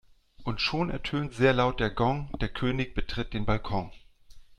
Und schon ertönt sehr laut der Gong, der König betritt den Balkon.